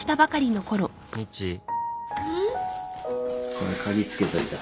これ鍵つけといた